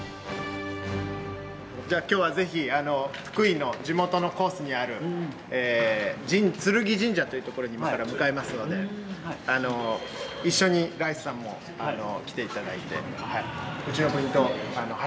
じゃあ今日はぜひ福井の地元のコースにある劔神社というところに今から向かいますので一緒にライスさんも来て頂いてうちの部員と走って頂けたらと。